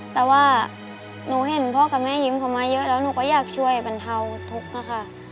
แต่ว่าหนูเห็นพ่อกับแม่ยิ้มเขามาเยอะแล้วหนูก็อยากช่วยบรรเทาทุกข์นะคะ